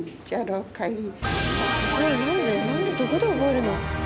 どこで覚えるの？